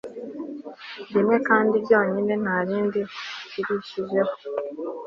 rimwe kandi ryonyine ntarindi ukirikijeho